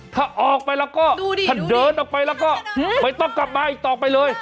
ถ้าออกไปแล้วก็ถ้าเดินออกไปแล้วก็ไม่ต้องกลับมาอีกต่อไปเลย